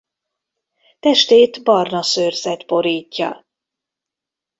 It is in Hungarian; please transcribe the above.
Testét barna szőrzet borítja.